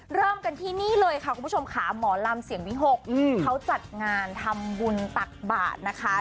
เริ่มกันที่นี่เลยค่ะคุณผู้ชมค่ะหมอลำเสียงวิหกเขาจัดงานทำบุญตักบาทนะคะ